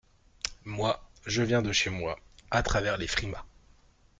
Moi, je viens de chez moi, à travers les frimas.